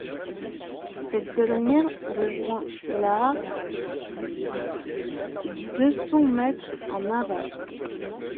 Cette dernière rejoint l'Aar deux cents mètres en aval.